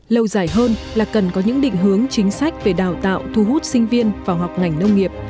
lâu dài hơn là cần có những định hướng chính sách về đào tạo thu hút sinh viên vào học ngành nông nghiệp